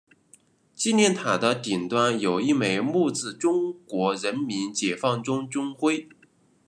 纪念塔的顶端有一枚木质中国人民解放军军徽。